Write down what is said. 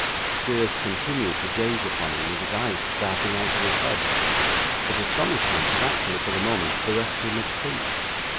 Squeers continued to gaze upon him, with his eyes starting out of his head; but astonishment had actually, for the moment, bereft him of speech.